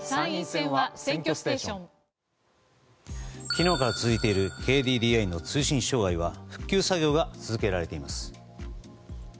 昨日から続いているＫＤＤＩの通信障害は復旧作業が続けられています。